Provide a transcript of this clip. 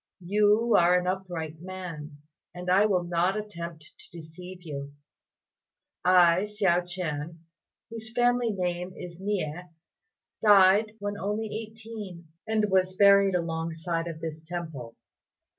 You are an upright man, and I will not attempt to deceive you. I, Hsiao ch'ien, whose family name is Nieh, died when only eighteen, and was buried alongside of this temple.